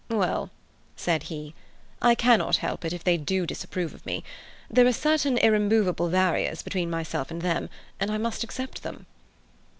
"Well," said he, "I cannot help it if they do disapprove of me. There are certain irremovable barriers between myself and them, and I must accept them."